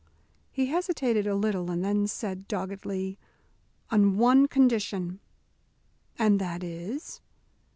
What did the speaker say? He hesitated a little, and then said, doggedly "On one condition." "And that is?"